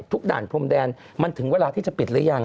ด่านพรมแดนมันถึงเวลาที่จะปิดหรือยัง